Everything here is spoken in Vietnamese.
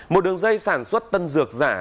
một đường dây sản xuất tân dược giả